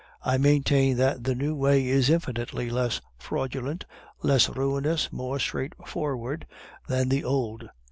"I maintain that the new way is infinitely less fraudulent, less ruinous, more straightforward than the old.